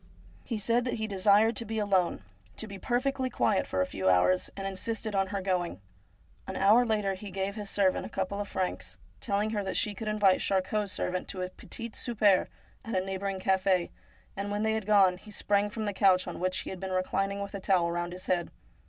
He said that he desired to be alone, to be perfectly quiet for a few hours, and insisted on her going. An hour later he gave his servant a couple of francs, telling her that she could invite Charcot's servant to a petit souper at a neighbouring cafe, and when they had gone he sprang from the couch on which he had been reclining with a towel round his head.